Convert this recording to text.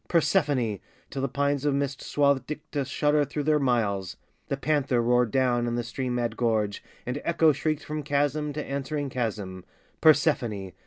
Persephone!" till the pines Of mist swathed Dicte shuddered through their miles, The panther roared down in the stream mad gorge, And Echo shrieked from chasm to answering chasm, "Persephone!"